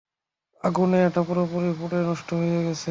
আগুণে এটা পুরোপুরি পুড়ে নষ্ট হয়ে গেছে।